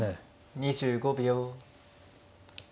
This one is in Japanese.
２５秒。